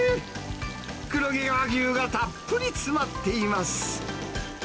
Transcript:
黒毛和牛がたっぷり詰まっています。